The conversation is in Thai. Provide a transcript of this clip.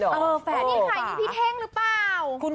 นี่ใครนี่พี่เท่งหรือเปล่า